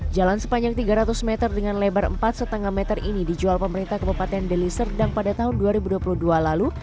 jalan sepanjang tiga ratus meter dengan lebar empat lima meter ini dijual pemerintah kabupaten deli serdang pada tahun dua ribu dua puluh dua lalu